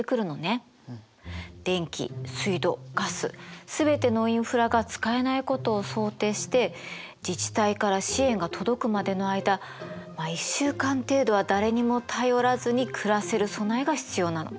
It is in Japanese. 電気水道ガスすべてのインフラが使えないことを想定して自治体から支援が届くまでの間まあ１週間程度は誰にも頼らずに暮らせる備えが必要なの。